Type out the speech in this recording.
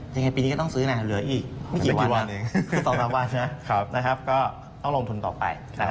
ยังไงปีนี้ก็ต้องซื้อไหนเหลืออีกไม่กี่วันนะสองสามวันนะต้องลงทุนต่อไป